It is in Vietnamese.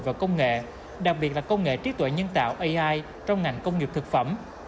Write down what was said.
và công nghệ đặc biệt là công nghệ trí tuệ nhân tạo ai trong ngành công nghiệp thực phẩm